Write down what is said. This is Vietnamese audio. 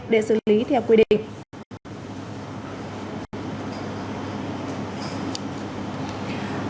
để xử lý theo quy định